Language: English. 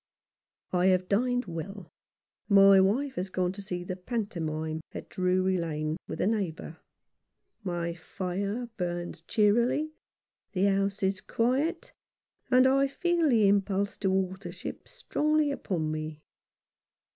I have dined well, my wife has gone to see the pantomime at Drury Lane with a neighbour. My fire burns cheerily, the house is quiet, and I feel the impulse to authorship strongly upon me. 107 Rough Justice.